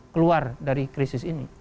keluar dari krisis ini